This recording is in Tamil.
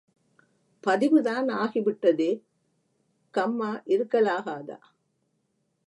பதிவுதான் ஆகிவிட்டதே, கம்மா இருக்கலாகாதா?